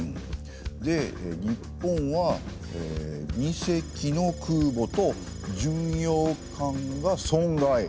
で日本は「二隻の空母と巡洋艦が損害」。